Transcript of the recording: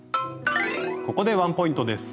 ここでワインポイントです。